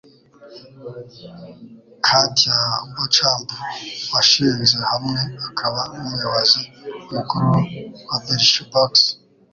Katia Beauchamp, washinze hamwe akaba n'umuyobozi mukuru wa Birchbox